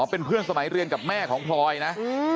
เป็นเพื่อนสมัยเรียนกับแม่ของพลอยนะ